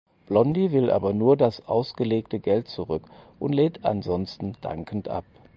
Blondie will aber nur das ausgelegte Geld zurück und lehnt ansonsten dankend ab.